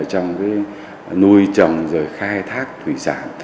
trong nuôi trồng khai thác thủy sản